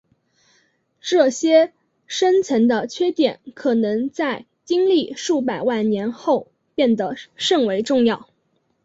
这些深层的缺点可能在经历数百万年后变得甚为重要。